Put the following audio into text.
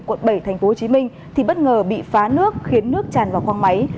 khi ghe đi qua địa bàn phường tân kiềng quận bảy tp hcm thì bất ngờ bị phá nước khiến nước tràn vào khoang máy